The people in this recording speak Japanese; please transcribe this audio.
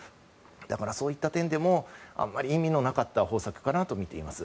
だからそういった点でもあまり意味のなかった方策かなとみています。